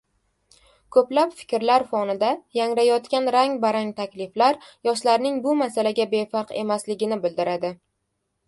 Koʻplab fikrlar fonida yangrayotgan rang-barang takliflar yoshlarning bu masalaga befarq emasligini bildiradi.